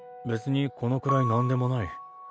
別にこのくらいなんでもない。